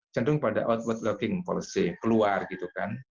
cenderung pada outward looking policy keluar gitu kan